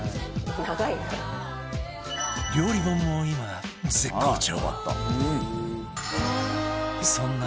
料理本も今絶好調